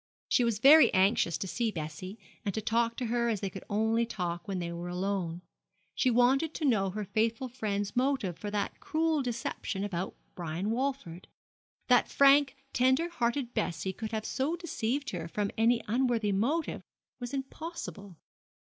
She was very anxious to see Bessie, and to talk to her as they could only talk when they were alone. She wanted to know her faithful friend's motive for that cruel deception about Brian Walford. That the frank, tender hearted Bessie could have so deceived her from any unworthy motive was impossible.